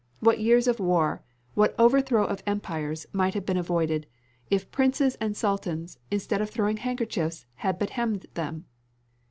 What years of war, what overthrow of empires, might have been avoided, if princes and sultans, instead of throwing handkerchiefs, had but hemmed them!"